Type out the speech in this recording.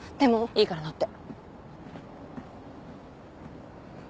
いいから乗って。